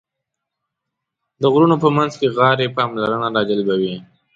د غرونو په منځ کې غارې پاملرنه راجلبوي.